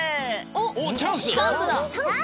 おっチャンス！？